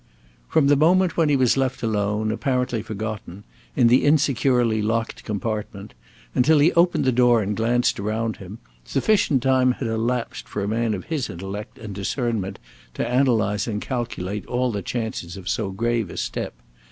From the moment when he was left alone, apparently forgotten, in the insecurely locked compartment, until he opened the door and glanced around him, sufficient time had elapsed for a man of his intellect and discernment to analyze and calculate all the chances of so grave a step.